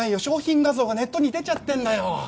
商品画像がネットに出ちゃってんだよ！